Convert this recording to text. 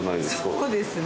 そうですね